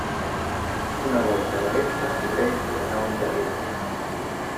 Una volta d'aresta cobreix la nau interior.